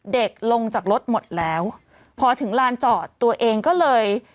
ลงจากรถหมดแล้วพอถึงลานจอดตัวเองก็เลย